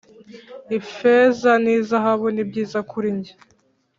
ifeza ni zahabu ni byiza kuri njye